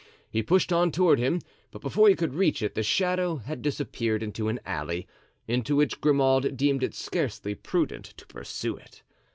He pushed on toward him, but before he could reach it the shadow had disappeared into an alley, into which Grimaud deemed it scarcely prudent to pursue it.